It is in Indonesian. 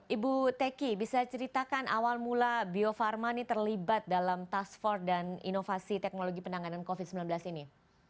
ibu teki bisa ceritakan awal mula bio farma ini terlibat dalam task ford dan inovasi teknologi penanganan covid sembilan belas ini